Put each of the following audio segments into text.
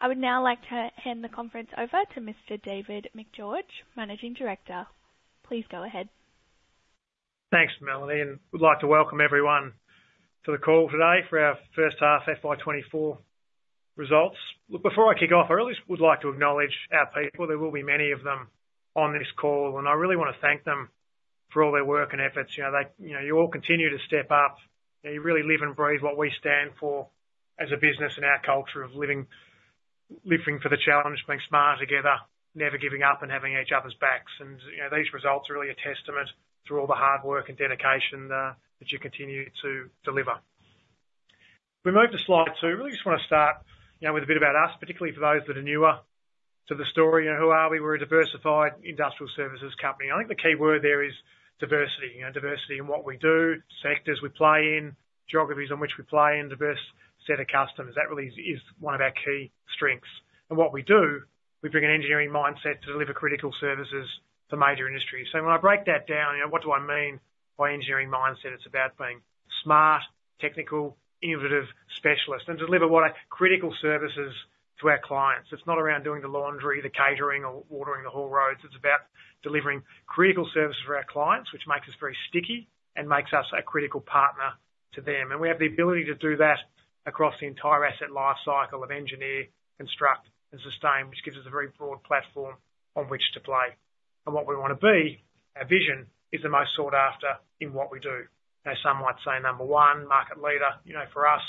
I would now like to hand the conference over to Mr. David Macgeorge, Managing Director. Please go ahead. Thanks, Melanie, and we'd like to welcome everyone to the call today for our first half FY 2024 results. Look, before I kick off, I really just would like to acknowledge our people. There will be many of them on this call, and I really wanna thank them for all their work and efforts. You know, they... You know, you all continue to step up, and you really live and breathe what we stand for as a business and our culture of living, living for the challenge, being smarter together, never giving up and having each other's backs. And, you know, these results are really a testament to all the hard work and dedication that you continue to deliver. We move to slide two. I really just wanna start, you know, with a bit about us, particularly for those that are newer to the story. You know, who are we? We're a diversified industrial services company. I think the key word there is diversity. You know, diversity in what we do, sectors we play in, geographies on which we play in, diverse set of customers. That really is one of our key strengths. And what we do, we bring an engineering mindset to deliver critical services to major industries. So when I break that down, you know, what do I mean by engineering mindset? It's about being smart, technical, innovative specialists, and deliver what are critical services to our clients. It's not around doing the laundry, the catering, or watering the haul roads. It's about delivering critical services for our clients, which makes us very sticky and makes us a critical partner to them. And we have the ability to do that across the entire asset life cycle of engineer, construct, and sustain, which gives us a very broad platform on which to play. And what we wanna be, our vision, is the most sought after in what we do. As some might say, number one, market leader. You know, for us,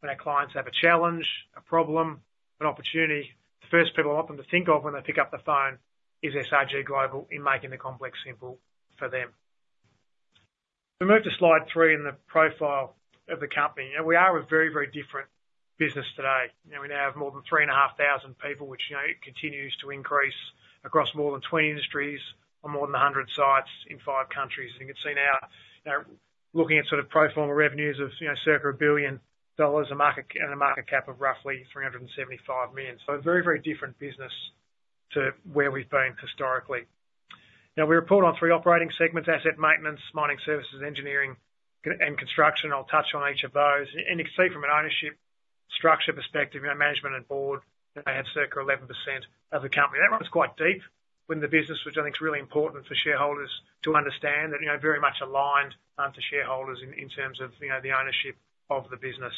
when our clients have a challenge, a problem, an opportunity, the first people I want them to think of when they pick up the phone is SRG Global in making the complex simple for them. We move to slide three in the profile of the company, and we are a very, very different business today. You know, we now have more than 3,500 people, which, you know, it continues to increase across more than 20 industries on more than 100 sites in five countries. You can see now, looking at sort of pro forma revenues of, you know, circa 1 billion dollars, a market cap of roughly 375 million. So a very, very different business to where we've been historically. Now, we report on three operating segments: asset maintenance, mining services, engineering and construction. I'll touch on each of those. And you can see from an ownership structure perspective, you know, management and board, they have circa 11% of the company. That run is quite deep within the business, which I think is really important for shareholders to understand that, you know, very much aligned to shareholders in terms of, you know, the ownership of the business.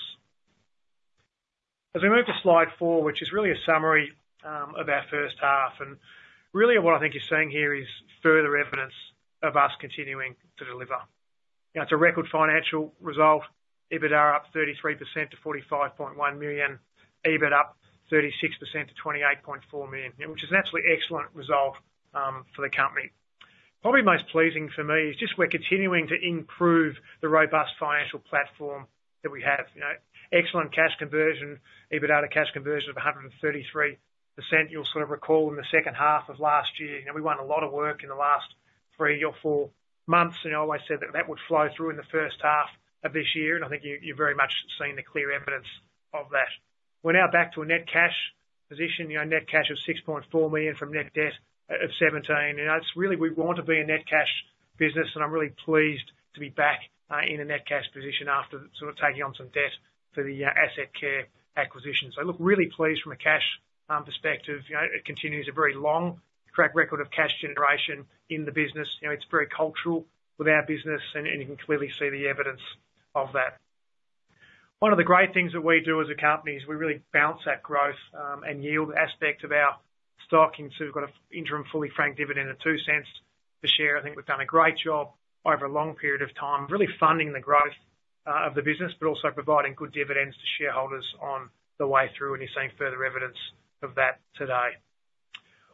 As we move to slide four, which is really a summary of our first half, and really what I think you're seeing here is further evidence of us continuing to deliver. You know, it's a record financial result. EBITDA up 33% to 45.1 million. EBIT up 36% to 28.4 million, you know, which is an absolutely excellent result for the company. Probably most pleasing for me is just we're continuing to improve the robust financial platform that we have. You know, excellent cash conversion, EBITDA to cash conversion of 133%. You'll sort of recall in the second half of last year, you know, we won a lot of work in the last three or four months, and I always said that that would flow through in the first half of this year, and I think you, you've very much seen the clear evidence of that. We're now back to a net cash position, you know, net cash of 6.4 million from net debt of 17 million, and that's really... We want to be a net cash business, and I'm really pleased to be back in a net cash position after sort of taking on some debt for the Asset Care acquisition. So look, really pleased from a cash perspective. You know, it continues a very long track record of cash generation in the business. You know, it's very cultural with our business, and, and you can clearly see the evidence of that. One of the great things that we do as a company is we really balance that growth and yield aspect of our stock. And so we've got an interim fully franked dividend of 0.02 per share. I think we've done a great job over a long period of time, really funding the growth of the business, but also providing good dividends to shareholders on the way through, and you're seeing further evidence of that today.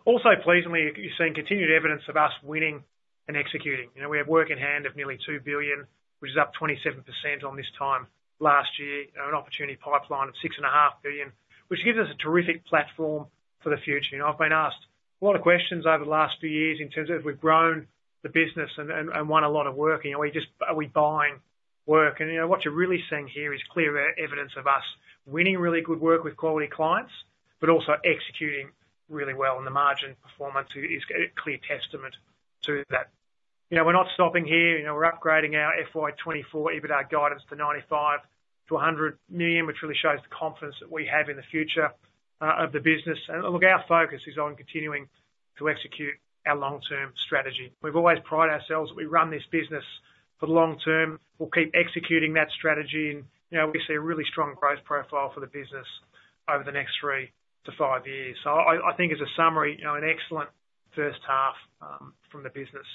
Also pleasingly, you, you're seeing continued evidence of us winning and executing. You know, we have work in hand of nearly 2 billion, which is up 27% on this time last year, and an opportunity pipeline of 6.5 billion, which gives us a terrific platform for the future. You know, I've been asked a lot of questions over the last few years in terms of as we've grown the business and won a lot of work, you know, are we just - are we buying work? You know, what you're really seeing here is clear evidence of us winning really good work with quality clients, but also executing really well, and the margin performance is a clear testament to that. You know, we're not stopping here. You know, we're upgrading our FY 2024 EBITDA guidance to 95 million-100 million, which really shows the confidence that we have in the future of the business. Look, our focus is on continuing to execute our long-term strategy. We've always prided ourselves that we run this business for the long term. We'll keep executing that strategy and, you know, we see a really strong growth profile for the business over the next three to five years. So I think as a summary, you know, an excellent first half from the business.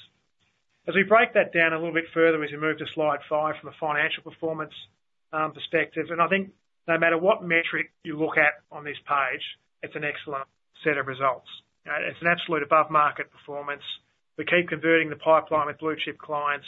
As we break that down a little bit further, as we move to slide five from a financial performance perspective, and I think no matter what metric you look at on this page, it's an excellent set of results. It's an absolute above market performance. We keep converting the pipeline with blue chip clients.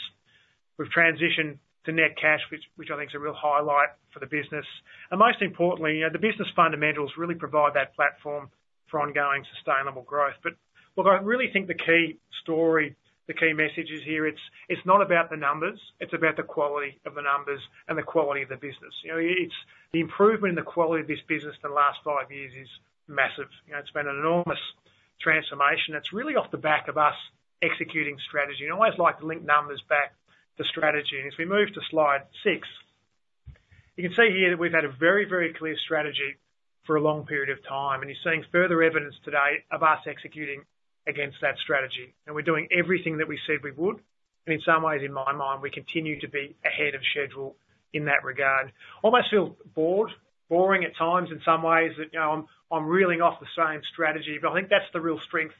We've transitioned to net cash, which I think is a real highlight for the business. And most importantly, you know, the business funAsset Careentals really provide that platform for ongoing sustainable growth. But look, I really think the key story, the key messages here, it's, it's not about the numbers, it's about the quality of the numbers and the quality of the business. You know, it's the improvement in the quality of this business in the last five years is massive. You know, it's been an enormous transformation, it's really off the back of us executing strategy. And I always like to link numbers back to strategy. And as we move to slide six, you can see here that we've had a very, very clear strategy for a long period of time, and you're seeing further evidence today of us executing against that strategy. And we're doing everything that we said we would, and in some ways, in my mind, we continue to be ahead of schedule in that regard. Almost feel bored, boring at times in some ways that, you know, I'm, I'm reeling off the same strategy, but I think that's the real strength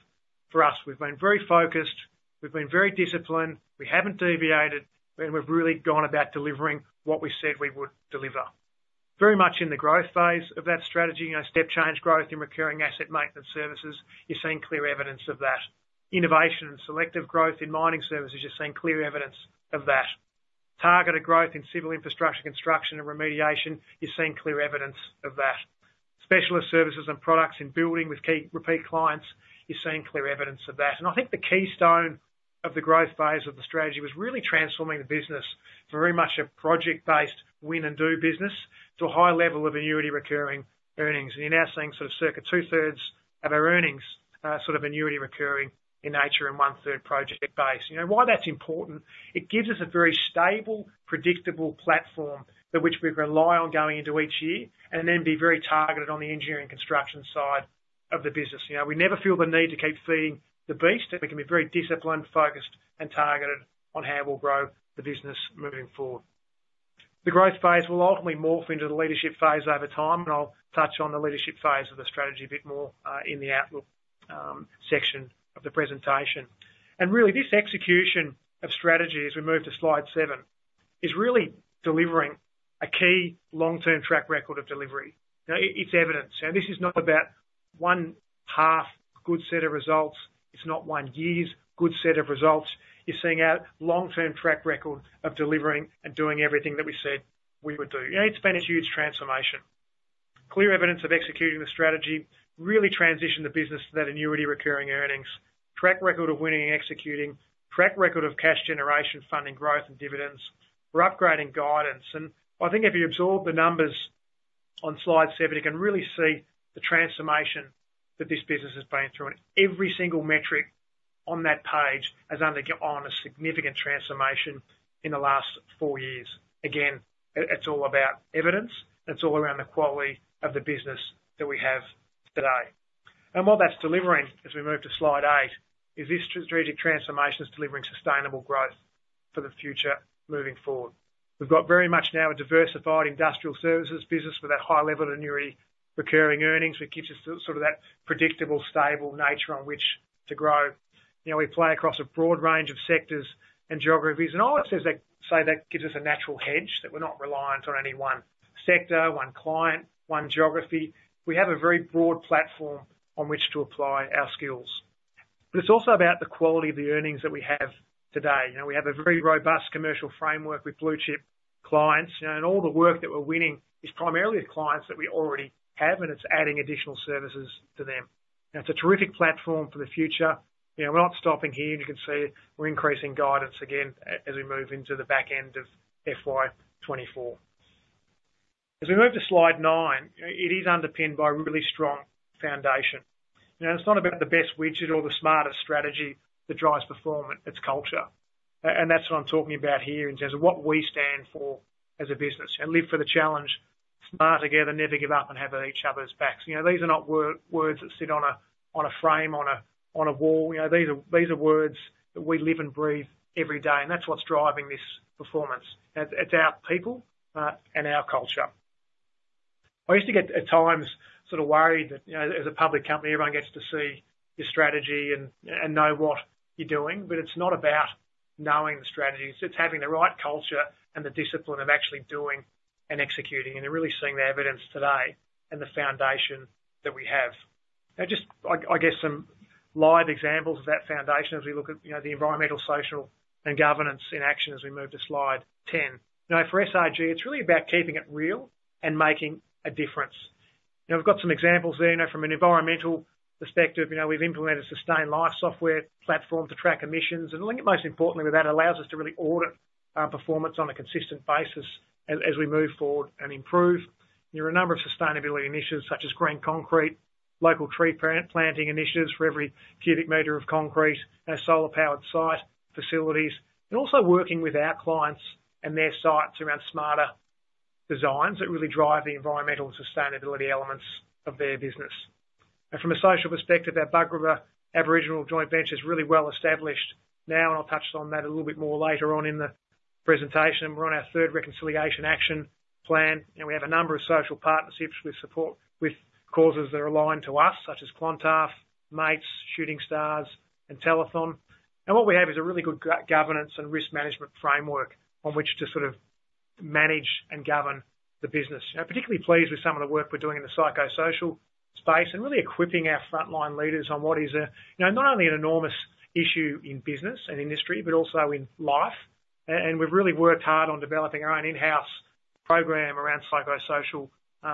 for us. We've been very focused, we've been very disciplined, we haven't deviated, and we've really gone about delivering what we said we would deliver. Very much in the growth phase of that strategy, you know, step change growth in recurring asset maintenance services, you're seeing clear evidence of that. Innovation and selective growth in mining services, you're seeing clear evidence of that. Targeted growth in civil infrastructure, construction and remediation, you're seeing clear evidence of that. Specialist services and products in building with key repeat clients, you're seeing clear evidence of that. I think the keystone of the growth phase of the strategy was really transforming the business from very much a project-based win and do business, to a high level of annuity recurring earnings. You're now seeing sort of circa two-thirds of our earnings, sort of annuity recurring in nature, and one-third project base. You know why that's important? It gives us a very stable, predictable platform that which we rely on going into each year, and then be very targeted on the engineering construction side of the business. You know, we never feel the need to keep feeding the beast, and we can be very disciplined, focused, and targeted on how we'll grow the business moving forward. The growth phase will ultimately morph into the leadership phase over time, and I'll touch on the leadership phase of the strategy a bit more in the outlook section of the presentation. And really, this execution of strategy, as we move to slide seven, is really delivering a key long-term track record of delivery. Now, it's evident, and this is not about one half good set of results, it's not one year's good set of results. You're seeing our long-term track record of delivering and doing everything that we said we would do. You know, it's been a huge transformation. Clear evidence of executing the strategy, really transition the business to that annuity recurring earnings, track record of winning and executing, track record of cash generation, funding growth and dividends. We're upgrading guidance, and I think if you absorb the numbers on slide seven, you can really see the transformation that this business has been through, and every single metric on that page has undergone a significant transformation in the last four years. Again, it's all about evidence. It's all around the quality of the business that we have today. And what that's delivering, as we move to slide eight, is this strategic transformation is delivering sustainable growth for the future moving forward. We've got very much now a diversified industrial services business with that high level of annuity recurring earnings, which gives us sort of that predictable, stable nature on which to grow. You know, we play across a broad range of sectors and geographies, and I would say that say that gives us a natural hedge, that we're not reliant on any one sector, one client, one geography. We have a very broad platform on which to apply our skills. But it's also about the quality of the earnings that we have today. You know, we have a very robust commercial framework with blue chip clients, you know, and all the work that we're winning is primarily with clients that we already have, and it's adding additional services to them. And it's a terrific platform for the future. You know, we're not stopping here, you can see we're increasing guidance again as we move into the back end of FY 2024. As we move to slide nine, it is underpinned by a really strong foundation. Now, it's not about the best widget or the smartest strategy that drives performance, it's culture. And that's what I'm talking about here, in terms of what we stand for as a business, and live for the challenge, smart together, never give up, and have each other's backs. You know, these are not words that sit on a frame on a wall, you know, these are words that we live and breathe every day, and that's what's driving this performance. It's our people and our culture. I used to get at times sort of worried that, you know, as a public company, everyone gets to see your strategy and know what you're doing, but it's not about knowing the strategy, it's just having the right culture and the discipline of actually doing and executing, and you're really seeing the evidence today and the foundation that we have. Now, I guess, some live examples of that foundation as we look at, you know, the environmental, social, and governance in action as we move to slide 10. You know, for SRG, it's really about keeping it real and making a difference. Now, we've got some examples there. You know, from an environmental perspective, you know, we've implemented Sustain.Life software platform to track emissions. And I think most importantly, what that allows us to really audit our performance on a consistent basis as we move forward and improve. There are a number of sustainability initiatives such as green concrete, local tree planting initiatives for every cubic meter of concrete, and solar-powered site facilities, and also working with our clients and their sites around smarter designs that really drive the environmental sustainability elements of their business. From a social perspective, our Bugarrba Aboriginal Joint Venture is really well established now, and I'll touch on that a little bit more later on in the presentation. We're on our third reconciliation action plan, and we have a number of social partnerships with causes that are aligned to us, such as Clontarf, Mates, Shooting Stars, and Telethon. What we have is a really good governance and risk management framework on which to sort of manage and govern the business. You know, particularly pleased with some of the work we're doing in the psychosocial space and really equipping our frontline leaders on what is a, you know, not only an enormous issue in business and industry, but also in life. And we've really worked hard on developing our own in-house program around psychosocial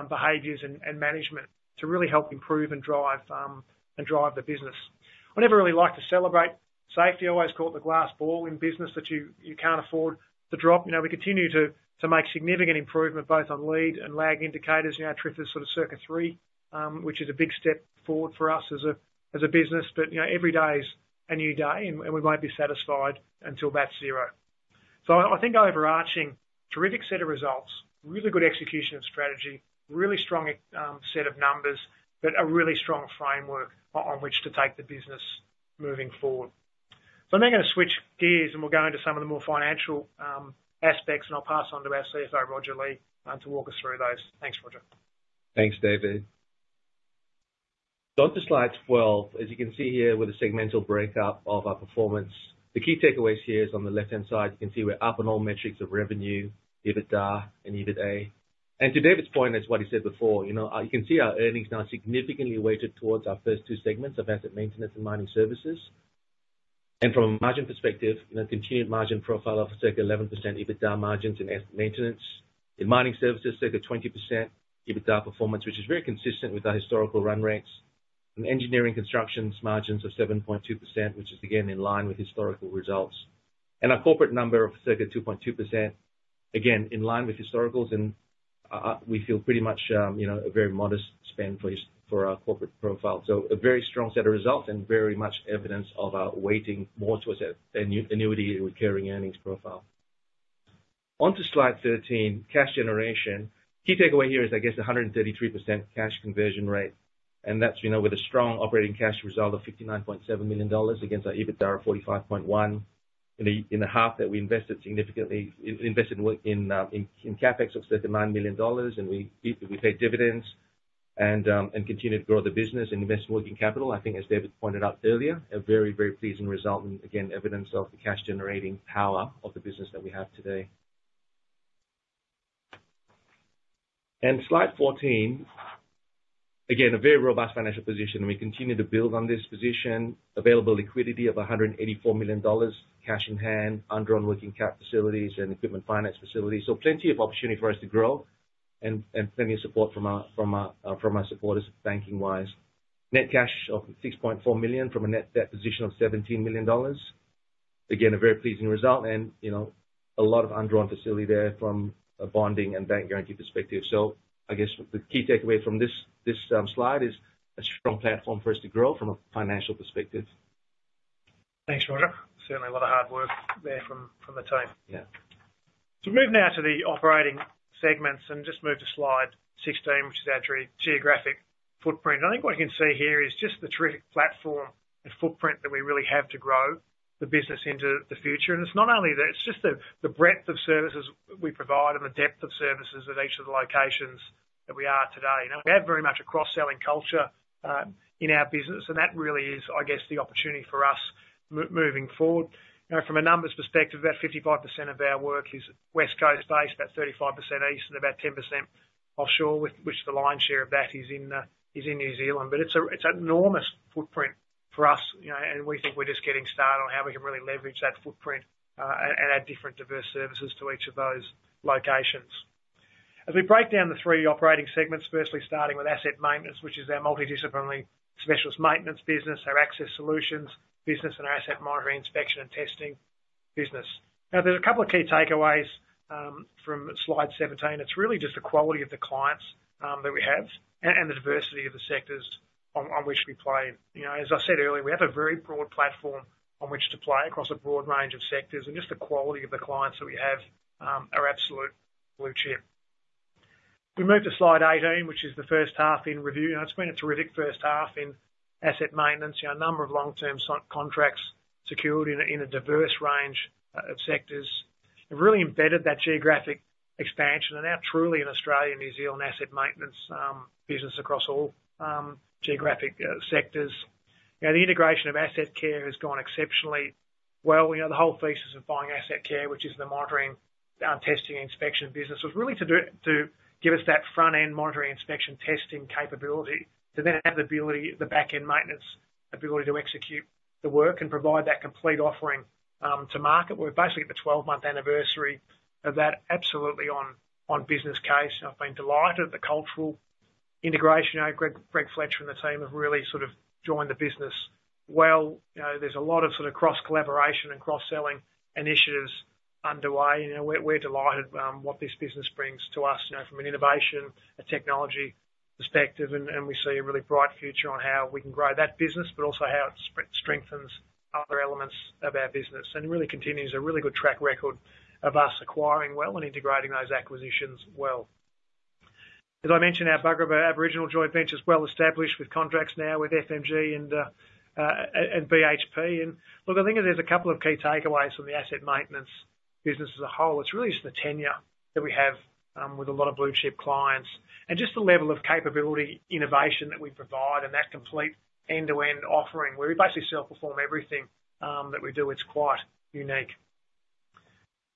behaviors and management to really help improve and drive the business. We never really like to celebrate safety. I always call it the glass ball in business that you can't afford to drop. You know, we continue to make significant improvement both on lead and lag indicators, you know, TRIFR sort of circa 3%, which is a big step forward for us as a business. But, you know, every day is a new day, and we won't be satisfied until that's zero. So I think overarching, terrific set of results, really good execution of strategy, really strong set of numbers, but a really strong framework on which to take the business moving forward. So I'm now gonna switch gears, and we'll go into some of the more financial aspects, and I'll pass on to our CFO, Roger Lee, to walk us through those. Thanks, Roger. Thanks, David. Go to slide 12. As you can see here, with the segmental breakup of our performance, the key takeaways here is on the left-hand side, you can see we're up on all metrics of revenue, EBITDA and EBIT. And to David's point, as what he said before, you know, you can see our earnings now significantly weighted towards our first two segments of asset maintenance and mining services. And from a margin perspective, you know, continued margin profile of circa 11% EBITDA margins in asset maintenance. In mining services, circa 20% EBITDA performance, which is very consistent with our historical run rates, and engineering constructions margins of 7.2%, which is again, in line with historical results. And our corporate number of circa 2.2%, again, in line with historicals, and we feel pretty much, you know, a very modest spend for our corporate profile. So a very strong set of results and very much evidence of our weighting more towards an annuity with carrying earnings profile. Onto slide 13, cash generation. Key takeaway here is, I guess, a 133% cash conversion rate, and that's, you know, with a strong operating cash result of 59.7 million dollars against our EBITDA of 45.1 million. In the half that we invested significantly in CapEx of 39 million dollars, and we paid dividends and continued to grow the business and invest in working capital. I think, as David pointed out earlier, a very, very pleasing result, and again, evidence of the cash generating power of the business that we have today. Slide 14. Again, a very robust financial position, and we continue to build on this position. Available liquidity of 184 million dollars, cash in hand, undrawn working cap facilities and equipment finance facilities. So plenty of opportunity for us to grow and plenty of support from our supporters, banking wise. Net cash of 6.4 million from a net debt position of 17 million dollars. Again, a very pleasing result and, you know, a lot of undrawn facility there from a bonding and bank guarantee perspective. So I guess the key takeaway from this slide is a strong platform for us to grow from a financial perspective. Thanks, Roger. Certainly a lot of hard work there from the team. Yeah. To move now to the operating segments, and just move to slide 16, which is our geographic footprint. I think what you can see here is just the terrific platform and footprint that we really have to grow the business into the future. And it's not only that, it's just the breadth of services we provide and the depth of services at each of the locations that we are today. Now, we have very much a cross-selling culture in our business, and that really is, I guess, the opportunity for us moving forward. You know, from a numbers perspective, about 55% of our work is West Coast based, about 35% East Coast, and about 10% offshore, with which the lion's share of that is in New Zealand. But it's a, it's an enormous footprint for us, you know, and we think we're just getting started on how we can really leverage that footprint, and add different diverse services to each of those locations. As we break down the three operating segments, firstly, starting with asset maintenance, which is our multidisciplinary specialist maintenance business, our access solutions business, and our asset monitoring, inspection, and testing business. Now, there's a couple of key takeaways from slide 17. It's really just the quality of the clients that we have and the diversity of the sectors on, on which we play. You know, as I said earlier, we have a very broad platform on which to play across a broad range of sectors, and just the quality of the clients that we have are absolute blue chip. We move to slide 18, which is the first half in review, and it's been a terrific first half in asset maintenance. You know, a number of long-term contracts secured in a diverse range of sectors. It really embedded that geographic expansion and now truly an Australia and New Zealand asset maintenance business across all geographic sectors. You know, the integration of Asset Care has gone exceptionally well. You know, the whole thesis of buying Asset Care, which is the monitoring, testing, and inspection business, was really to give us that front-end monitoring, inspection, testing capability to then have the ability, the back-end maintenance ability to execute the work and provide that complete offering to market. We're basically at the 12-month anniversary of that absolutely on business case, and I've been delighted at the cultural integration. You know, Greg, Greg Fletcher and the team have really sort of joined the business well. You know, there's a lot of sort of cross-collaboration and cross-selling initiatives underway. You know, we're, we're delighted what this business brings to us, you know, from an innovation and technology perspective, and we see a really bright future on how we can grow that business, but also how it strengthens other elements of our business. And really continues a really good track record of us acquiring well and integrating those acquisitions well. As I mentioned, our Bugarrba Aboriginal Joint Venture is well established with contracts now with FMG and BHP. And look, I think there's a couple of key takeaways from the asset maintenance business as a whole. It's really just the tenure that we have with a lot of blue chip clients, and just the level of capability, innovation that we provide, and that complete end-to-end offering, where we basically self-perform everything that we do. It's quite unique.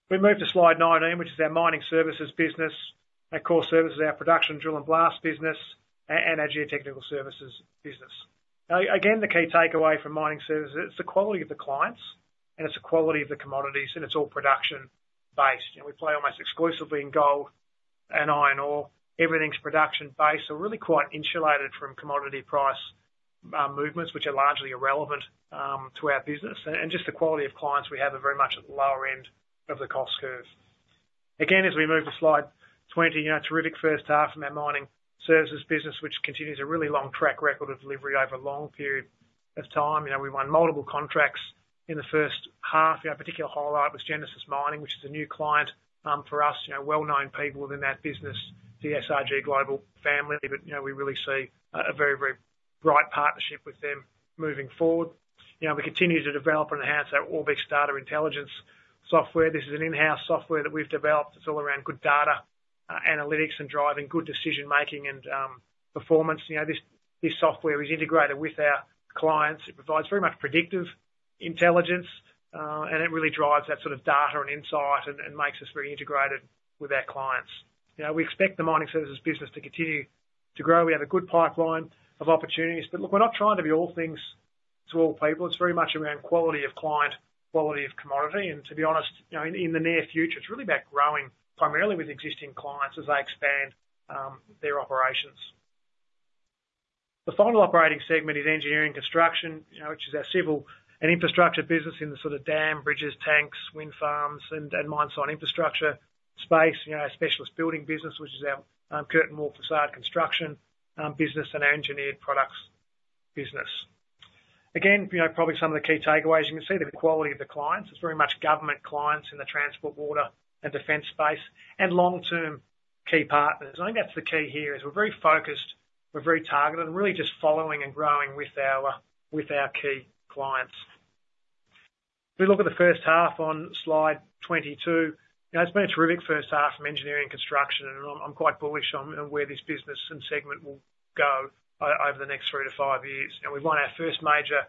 We move to slide 19, which is our mining services business. Our core service is our production drill and blast business and our geotechnical services business. Again, the key takeaway from mining services, it's the quality of the clients, and it's the quality of the commodities, and it's all production-based, and we play almost exclusively in gold and iron ore, everything's production base are really quite insulated from commodity price movements, which are largely irrelevant to our business, and just the quality of clients we have are very much at the lower end of the cost curve. Again, as we move to slide 20, you know, terrific first half from our mining services business, which continues a really long track record of delivery over a long period of time. You know, we won multiple contracts in the first half. You know, a particular highlight was Genesis Mining, which is a new client for us. You know, well-known people within that business, the SRG Global family. But, you know, we really see a, a very, very bright partnership with them moving forward. You know, we continue to develop and enhance our Orbix Data Intelligence software. This is an in-house software that we've developed. It's all around good data, analytics, and driving good decision making and performance. You know, this software is integrated with our clients. It provides very much predictive intelligence, and it really drives that sort of data and insight and makes us very integrated with our clients. You know, we expect the mining services business to continue to grow. We have a good pipeline of opportunities, but look, we're not trying to be all things to all people. It's very much around quality of client, quality of commodity, and to be honest, you know, in the near future, it's really about growing primarily with existing clients as they expand their operations. The final operating segment is engineering construction, you know, which is our civil and infrastructure business in the sort of Asset Care, bridges, tanks, wind farms, and mine site infrastructure space. You know, our specialist building business, which is our curtain wall facade construction business and engineered products business. Again, you know, probably some of the key takeaways, you can see the quality of the clients. It's very much government clients in the transport, water, and defense space, and long-term key partners. I think that's the key here, is we're very focused, we're very targeted, and really just following and growing with our, with our key clients. If we look at the first half on slide 22, you know, it's been a terrific first half from engineering construction, and I'm quite bullish on where this business and segment will go over the next three to five years. We've won our first major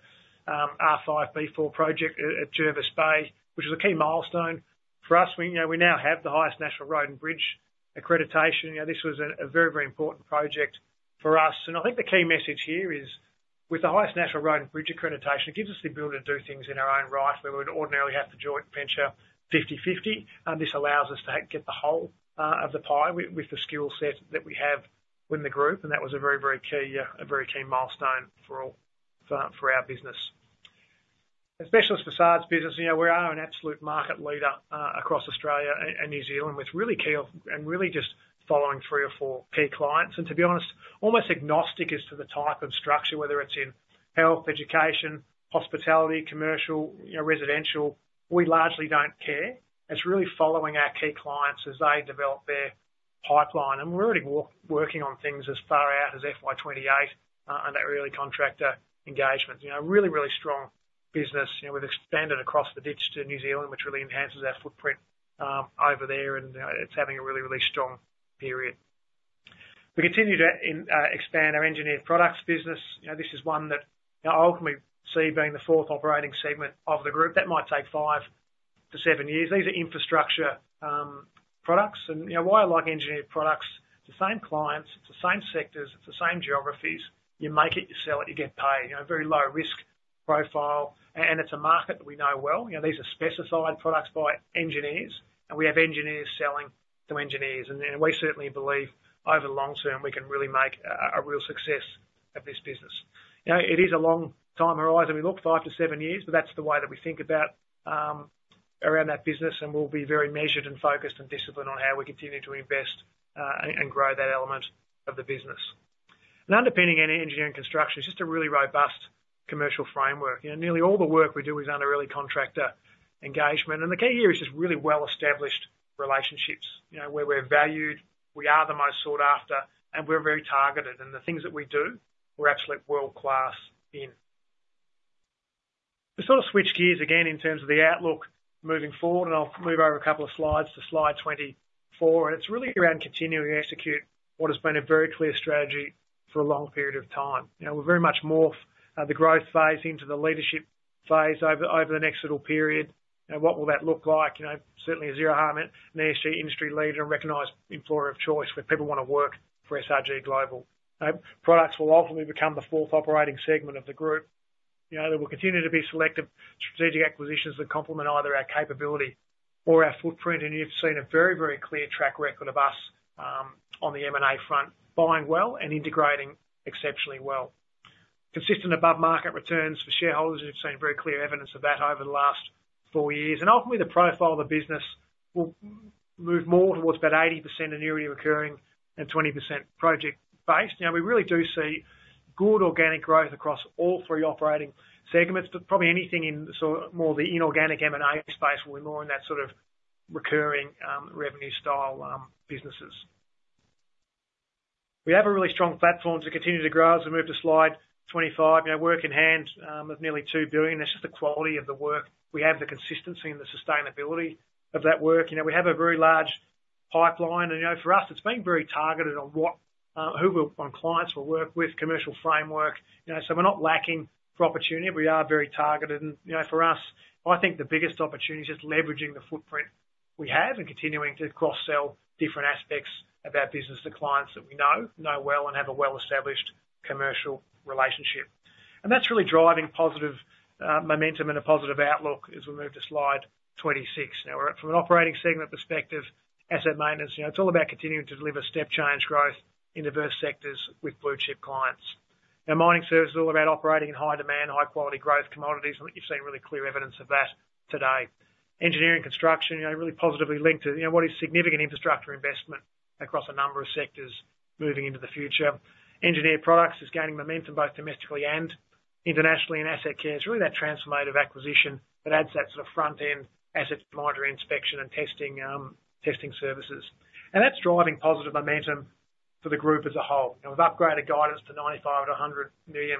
R5/B4 project at Jervis Bay, which is a key milestone for us. We, you know, we now have the highest national road and bridge accreditation. You know, this was a very, very important project for us, and I think the key message here is, with the highest national road and bridge accreditation, it gives us the ability to do things in our own right, where we would ordinarily have to joint venture 50/50. This allows us to get the whole of the pie with the skill set that we have within the group, and that was a very, very key, a very key milestone for all... for our business. The specialist facades business, you know, we are an absolute market leader, across Australia and New Zealand, with really key offerings and really just following three or four key clients, and to be honest, almost agnostic as to the type of structure, whether it's in health, education, hospitality, commercial, you know, residential, we largely don't care. It's really following our key clients as they develop their pipeline. We're already working on things as far out as FY 2028 on that early contractor engagement. You know, really, really strong business. You know, we've expanded across the ditch to New Zealand, which really enhances our footprint over there, and it's having a really, really strong period. We continue to expand our engineered products business. You know, this is one that, you know, ultimately see being the fourth operating segment of the group. That might take five to seven years. These are infrastructure products, and you know, why I like engineered products, it's the same clients, it's the same sectors, it's the same geographies. You make it, you sell it, you get paid. You know, very low risk profile, and it's a market that we know well. You know, these are specified products by engineers, and we have engineers selling to engineers. And we certainly believe over the long term, we can really make a real success of this business. You know, it is a long time horizon. We look five to seven years, but that's the way that we think about around that business, and we'll be very measured, and focused, and disciplined on how we continue to invest and grow that element of the business. And underpinning any engineering construction, it's just a really robust commercial framework. You know, nearly all the work we do is under early contractor engagement, and the key here is just really well-established relationships, you know, where we're valued, we are the most sought after, and we're very targeted. And the things that we do, we're absolute world-class in. We sort of switch gears again in terms of the outlook moving forward, and I'll move over a couple of slides to slide 24, and it's really around continuing to execute what has been a very clear strategy for a long period of time. You know, we're very much morphing the growth phase into the leadership phase over the next little period. Now, what will that look like? You know, certainly a zero harm, an ESG industry leader, and recognized employer of choice where people wanna work for SRG Global. Products will ultimately become the fourth operating segment of the group. You know, there will continue to be selective strategic acquisitions that complement either our capability or our footprint, and you've seen a very, very clear track record of us on the M&A front, buying well and integrating exceptionally well. Consistent above-market returns for shareholders, and you've seen very clear evidence of that over the last four years. Ultimately, the profile of the business will move more towards about 80% annually recurring and 20% project-based. Now, we really do see good organic growth across all three operating segments, but probably anything in the sort of more the inorganic M&A space will be more in that sort of recurring revenue style businesses. We have a really strong platform to continue to grow. As we move to slide 25, you know, work in hand of nearly 2 billion, that's just the quality of the work. We have the consistency and the sustainability of that work. You know, we have a very large pipeline, and, you know, for us, it's been very targeted on what, who we'll work with, commercial framework, you know, so we're not lacking for opportunity. We are very targeted and, you know, for us, I think the biggest opportunity is just leveraging the footprint we have and continuing to cross-sell different aspects of our business to clients that we know, know well, and have a well-established commercial relationship. And that's really driving positive momentum and a positive outlook as we move to slide 26. Now, we're at, from an operating segment perspective, asset maintenance, you know, it's all about continuing to deliver step change growth in diverse sectors with blue chip clients. Now, mining service is all about operating in high demand, high quality growth commodities, and you've seen really clear evidence of that today. Engineering construction, you know, really positively linked to, you know, what is significant infrastructure investment across a number of sectors moving into the future. Engineered products is gaining momentum both domestically and internationally, and Asset Care is really that transformative acquisition that adds that sort of front-end asset monitoring, inspection, and testing, testing services. And that's driving positive momentum for the group as a whole. Now, we've upgraded guidance to 95 million-100 million.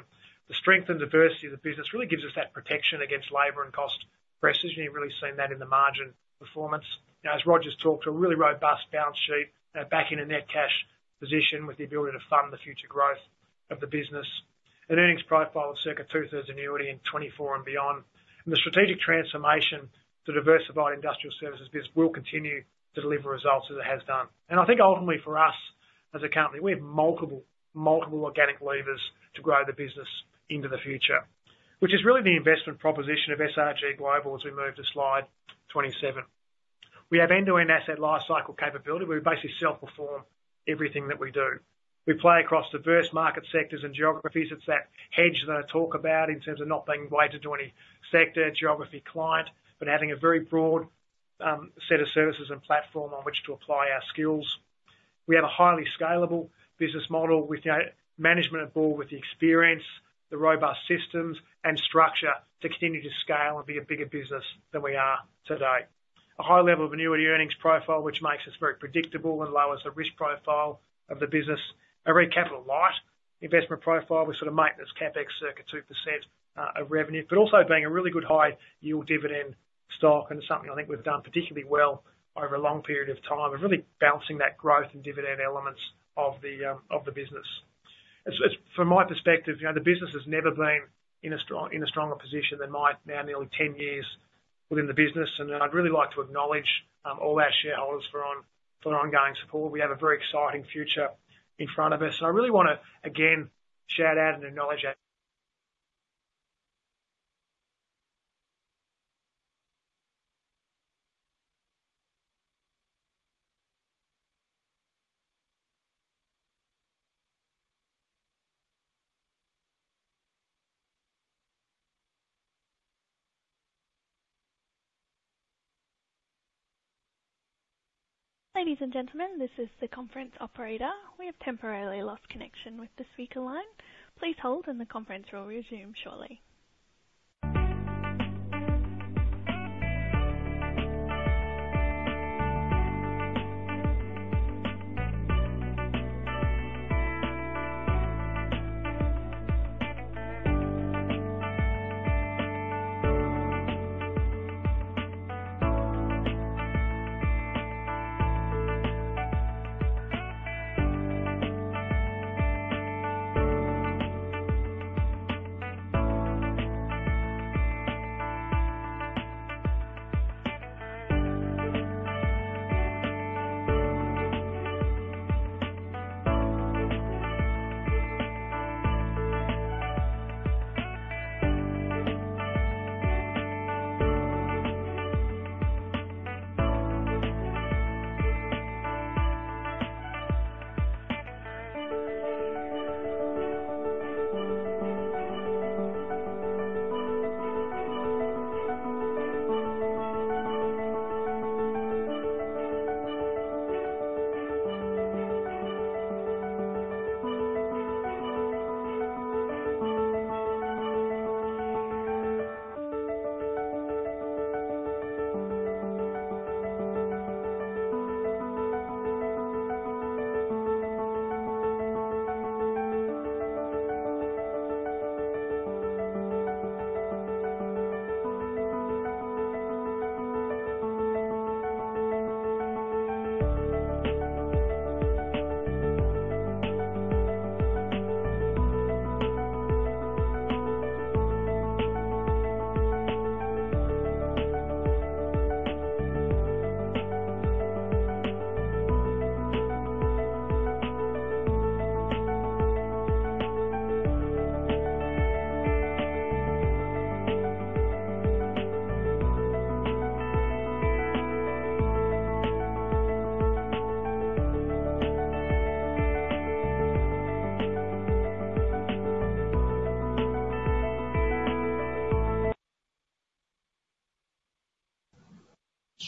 The strength and diversity of the business really gives us that protection against labor and cost pressures, and you've really seen that in the margin performance. Now, as Roger's talked, a really robust balance sheet, back in a net cash position with the ability to fund the future growth of the business. An earnings profile of circa two thirds annuity in 2024 and beyond. The strategic transformation to diversified industrial services business will continue to deliver results as it has done. I think ultimately for us, as a company, we have multiple, multiple organic levers to grow the business into the future, which is really the investment proposition of SRG Global as we move to slide 27. We have end-to-end asset life cycle capability, where we basically self-perform everything that we do. We play across diverse market sectors and geographies. It's that hedge that I talk about in terms of not being weighed to any sector, geography, client, but having a very broad set of services and platform on which to apply our skills. We have a highly scalable business model with management on board, with the experience, the robust systems, and structure to continue to scale and be a bigger business than we are today. A high level of annuity earnings profile, which makes us very predictable and lowers the risk profile of the business. A very capital light investment profile with sort of maintenance CapEx, circa 2%, of revenue, but also being a really good high yield dividend stock, and something I think we've done particularly well over a long period of time, and really balancing that growth and dividend elements of the, of the business. It's, it's, from my perspective, you know, the business has never been in a stronger position than my now nearly 10 years within the business, and I'd really like to acknowledge all our shareholders for their ongoing support. We have a very exciting future in front of us. So I really wanna, again, shout out and acknowledge that- Ladies and gentlemen, this is the conference operator. We have temporarily lost connection with the speaker line. Please hold and the conference will resume shortly.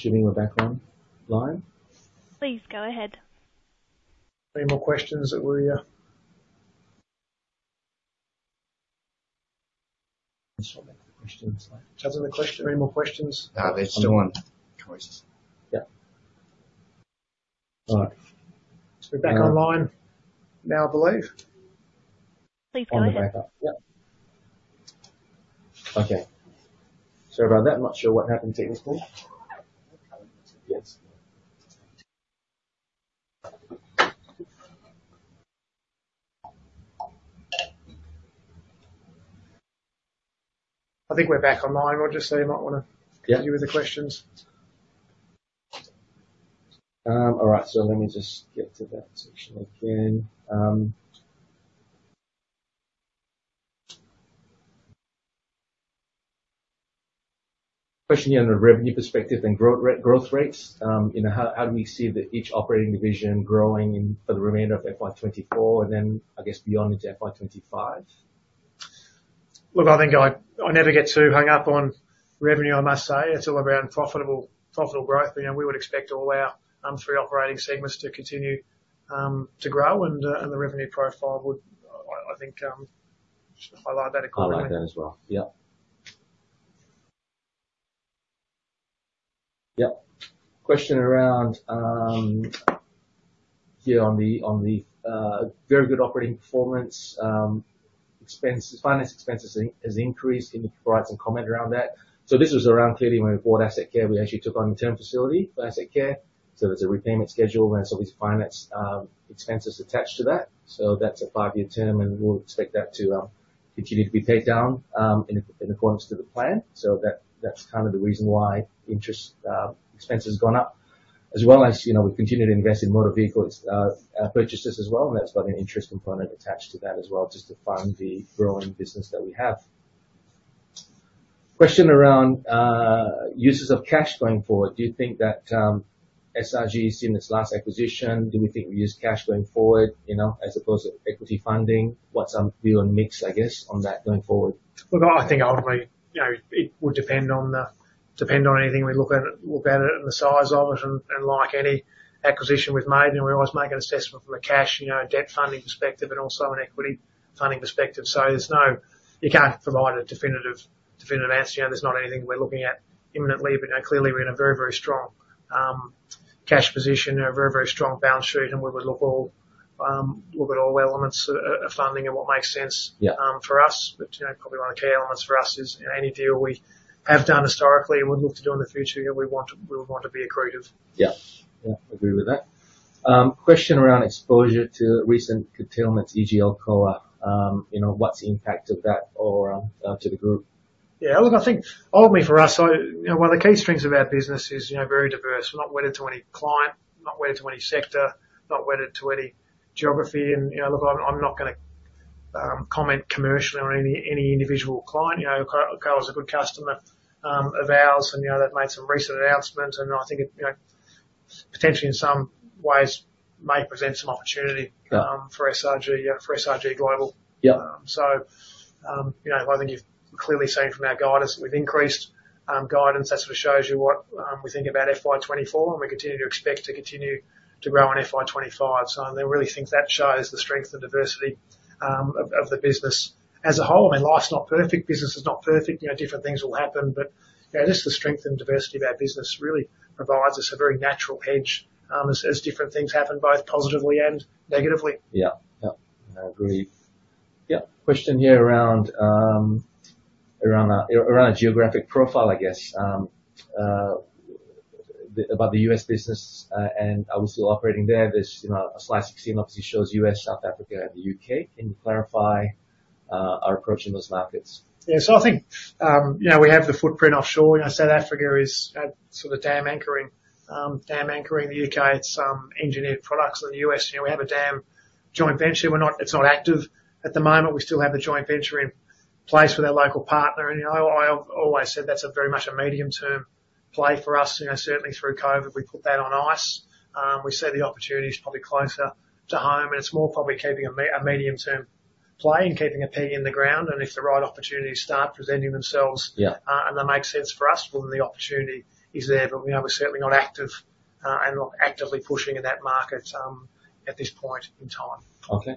Should be, we're back online? Please go ahead. Any more questions that we? Still have any questions? Does the question...? Any more questions? No, they're still on. Can we see? Yeah. All right. We're back online now, I believe. Please go ahead. On the back up. Yep. Okay. Sorry about that. I'm not sure what happened. Yes. I think we're back online, Roger, so you might wanna- Yeah. Continue with the questions. All right, so let me just get to that section again. Question here on the revenue perspective and growth rates. You know, how do we see each operating division growing for the remainder of FY 2024, and then I guess beyond into FY 2025? Look, I think I never get too hung up on revenue, I must say. It's all around profitable, profitable growth. You know, we would expect all our three operating segments to continue to grow, and the revenue profile would, I think, just highlight that accordingly. I like that as well. Yep. Yep. Question around here on the very good operating performance, expenses, finance expenses has increased. Can you provide some comment around that? So this was around clearly when we bought Asset Care. We actually took on interim facility for Asset Care, so there's a repayment schedule and there's obviously finance expenses attached to that. So that's a five-year term, and we'll expect that to continue to be paid down in accordance to the plan. So that, that's kind of the reason why interest expenses have gone up, as well as, you know, we've continued to invest in motor vehicles purchases as well, and that's got an interest component attached to that as well, just to fund the growing business that we have. Question around uses of cash going forward: Do you think that SRG, seeing its last acquisition, do we think we use cash going forward, you know, as opposed to equity funding? What's our view on mix, I guess, on that going forward? Well, I think ultimately, you know, it would depend on anything we look at it and the size of it. And like any acquisition we've made, we always make an assessment from a cash, you know, debt funding perspective and also an equity funding perspective. So there's no- you can't provide a definitive answer. You know, there's not anything we're looking at imminently, but, you know, clearly we're in a very, very strong cash position and a very, very strong balance sheet, and we would look at all elements of funding and what makes sense- Yeah. for us. But, you know, probably one of the key elements for us is, you know, any deal we have done historically and would look to do in the future, you know, we want to, we would want to be accretive. Yeah. Yeah, agree with that. Question around exposure to recent curtailments, e.g., Glencore. You know, what's the impact of that or to the group? Yeah, look, I think ultimately for us, you know, one of the key strengths of our business is, you know, very diverse. We're not wedded to any client, not wedded to any sector, not wedded to any geography. You know, look, I'm not gonna comment commercially on any individual client. You know, Glencore is a good customer of ours, and you know, they've made some recent announcements, and I think it, you know, potentially in some ways may present some opportunity- Yeah... for SRG, for SRG Global. Yeah. So, you know, I think you've clearly seen from our guidance, we've increased guidance. That sort of shows you what we think about FY 2024, and we continue to expect to continue to grow in FY 2025. So I really think that shows the strength and diversity of the business as a whole. And life's not perfect. Business is not perfect. You know, different things will happen, but, you know, just the strength and diversity of our business really provides us a very natural edge, as different things happen, both positively and negatively. Yeah. Yeah, I agree. Yep. Question here around a geographic profile, I guess. About the U.S. business, and are we still operating there? There's, you know, a slide obviously shows U.S., South Africa, and the U.K. Can you clarify our approach in those markets? Yeah, so I think, you know, we have the footprint offshore, and South Africa is sort of dam anchoring. Dam anchoring the U.K., it's engineered products. In the U.S., you know, we have a dam joint venture. It's not active at the moment. We still have the joint venture in place with our local partner, and, you know, I, I've always said that's a very much a medium-term play for us. You know, certainly through COVID, we put that on ice. We see the opportunities probably closer to home, and it's more probably keeping a medium-term play and keeping a peg in the ground, and if the right opportunities start presenting themselves- Yeah... and that makes sense for us, well, then the opportunity is there. But, you know, we're certainly not active, and not actively pushing in that market, at this point in time. Okay.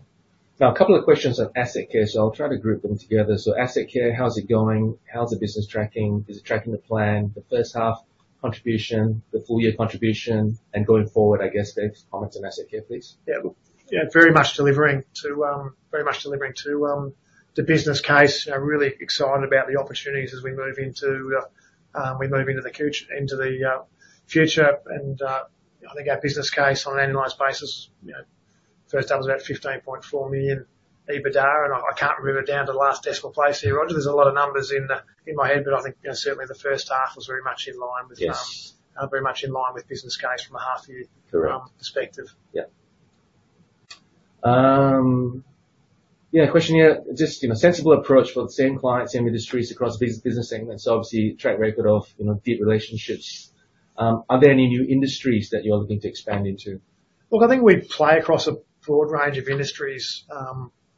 Now, a couple of questions on Asset Care, so I'll try to group them together. Asset Care, how's it going? How's the business tracking? Is it tracking the plan, the first half contribution, the full year contribution, and going forward, I guess? Any comments on Asset Care, please? Yeah. Yeah, very much delivering to, very much delivering to, the business case. You know, really excited about the opportunities as we move into, we move into the future. I think our business case on an annualized basis, you know, first half was about 15.4 million EBITDA, and I, I can't remember down to the last decimal place here, Roger. There's a lot of numbers in, in my head, but I think, you know, certainly the first half was very much in line with, Yes. very much in line with business case from a half year- Correct. -um, perspective. Yep. Yeah, a question here, just, you know, sensible approach for the same clients in industries across business segments, so obviously track record of, you know, deep relationships. Are there any new industries that you're looking to expand into? Look, I think we play across a broad range of industries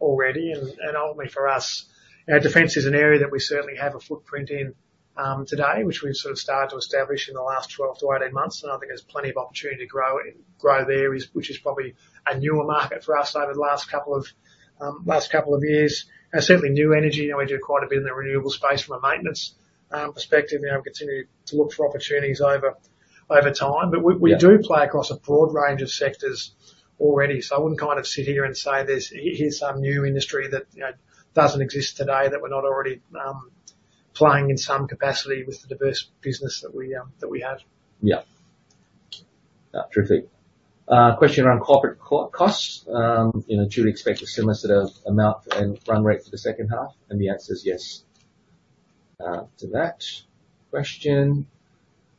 already, and ultimately for us, you know, defense is an area that we certainly have a footprint in today, which we've sort of started to establish in the last 12-18 months. I think there's plenty of opportunity to grow there, which is probably a newer market for us over the last couple of years. Certainly new energy, you know, we do quite a bit in the renewable space from a maintenance perspective, and we continue to look for opportunities over time. Yeah. But we do play across a broad range of sectors already, so I wouldn't kind of sit here and say here's some new industry that, you know, doesn't exist today, that we're not already playing in some capacity with the diverse business that we have. Yeah. Yeah, terrific. Question around corporate costs. You know, do you expect a similar sort of amount and run rate for the second half? And the answer is yes. To that question,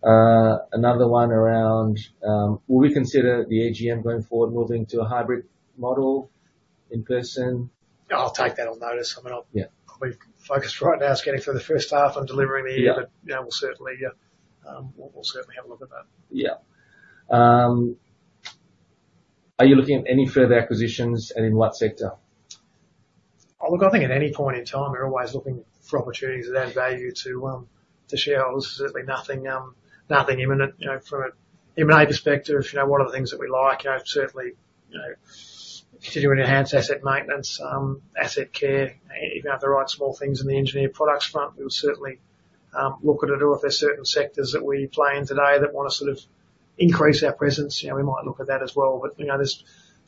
another one around, will we consider the AGM going forward, moving to a hybrid model in person? I'll take that on notice. I mean, I'll- Yeah. We've focused right now is getting through the first half and delivering the year. Yeah. You know, we'll certainly have a look at that. Yeah. Are you looking at any further acquisitions, and in what sector? Oh, look, I think at any point in time, we're always looking for opportunities to add value to shareholders. Certainly nothing imminent, you know, from an M&A perspective, you know, one of the things that we like, you know, certainly, you know, continuing to enhance asset maintenance, Asset Care, even have the right small things in the engineered products front. We'll certainly look at it, or if there's certain sectors that we play in today that want to sort of increase our presence, you know, we might look at that as well. But, you know,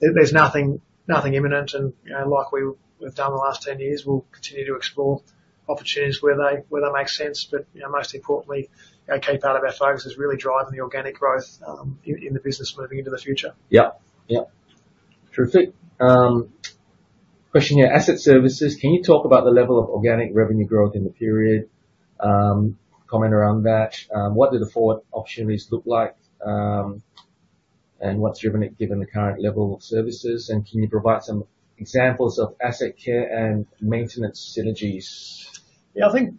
there's nothing imminent, and, you know, like we've done the last 10 years, we'll continue to explore opportunities where they make sense. You know, most importantly, a key part of our focus is really driving the organic growth in the business moving into the future. Yep. Yep. Terrific. Question here, Asset Services, can you talk about the level of organic revenue growth in the period? Comment around that. What do the forward opportunities look like, and what's driven it, given the current level of services? And can you provide some examples of Asset Care and Maintenance synergies? Yeah, I think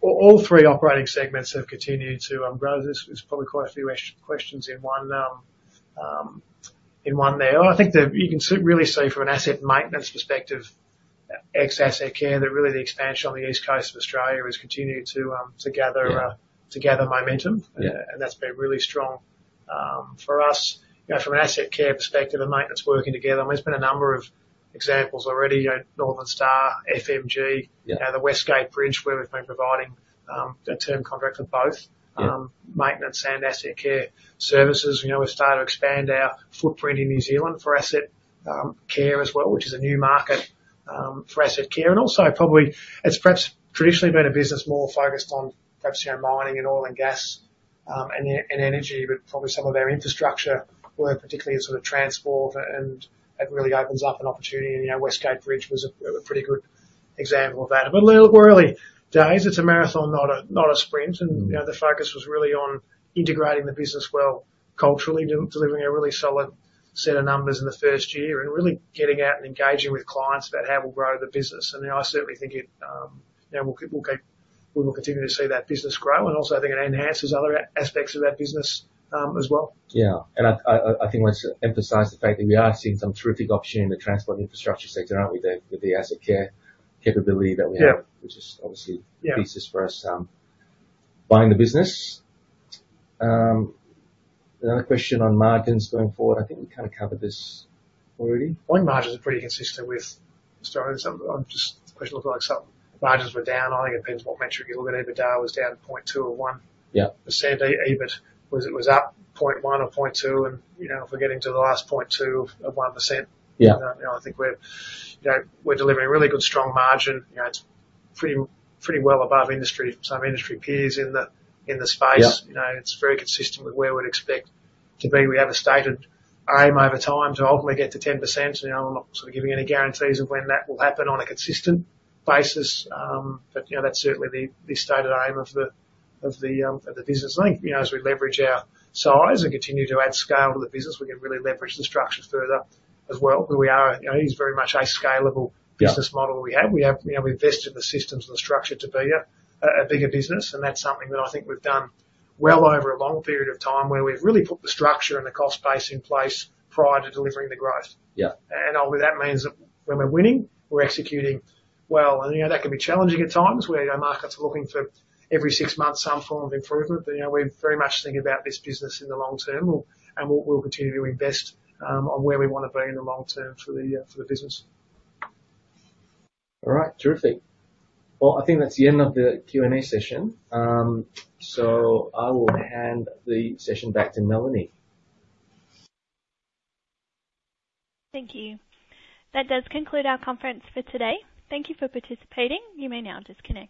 all three operating segments have continued to. Well, there's probably quite a few questions in one there. I think that you can see really see from an asset maintenance perspective, ex Asset Care, that really the expansion on the East Coast of Australia has continued to gather. Yeah ... to gather momentum. Yeah. That's been really strong for us. You know, from an Asset Care perspective and maintenance working together, there's been a number of examples already, you know, Northern Star, FMG- Yeah... You know, the West Gate Bridge, where we've been providing a term contract for both- Yeah... maintenance and asset care services. You know, we've started to expand our footprint in New Zealand for asset care as well, which is a new market for asset care. And also probably it's perhaps traditionally been a business more focused on perhaps, you know, mining and oil and gas and energy, but probably some of our infrastructure work, particularly in sort of transport, and it really opens up an opportunity and, you know, West Gate Bridge was a pretty good example of that. But look, we're early days. It's a marathon, not a sprint. Mm-hmm. You know, the focus was really on integrating the business well culturally, delivering a really solid set of numbers in the first year, and really getting out and engaging with clients about how we'll grow the business. You know, I certainly think it, you know, we will continue to see that business grow, and also, I think it enhances other aspects of that business, as well. Yeah, and I think let's emphasize the fact that we are seeing some terrific opportunity in the transport infrastructure sector, aren't we, with the Asset Care capability that we have? Yeah. Which is obviously- Yeah... pieces for us, buying the business. Another question on margins going forward. I think we kind of covered this already. I think margins are pretty consistent with starting some, just question, looked like some margins were down. I think it depends what metric you look at. EBITDA was down at 0.2% or 1%- Yeah... EBIT was, it was up 0.1% or 0.2%, and, you know, if we're getting to the last 0.2% of 1%- Yeah... You know, I think we're, you know, we're delivering really good, strong margin. You know, it's pretty, pretty well above industry, some industry peers in the, in the space. Yeah. You know, it's very consistent with where we'd expect to be. We have a stated aim over time to ultimately get to 10%. You know, I'm not sort of giving any guarantees of when that will happen on a consistent basis, but, you know, that's certainly the stated aim of the business. I think, you know, as we leverage our size and continue to add scale to the business, we can really leverage the structures further as well, where we are, you know, it is very much a scalable business model we have. Yeah. We have, you know, we invested in the systems and the structure to be a bigger business, and that's something that I think we've done well over a long period of time, where we've really put the structure and the cost base in place prior to delivering the growth. Yeah. All that means is that when we're winning, we're executing well. You know, that can be challenging at times, where markets are looking for every six months, some form of improvement. You know, we very much think about this business in the long term, and we'll continue to invest on where we wanna be in the long term for the business. All right. Terrific. Well, I think that's the end of the Q&A session. So, I will hand the session back to Melanie. Thank you. That does conclude our conference for today. Thank you for participating. You may now disconnect.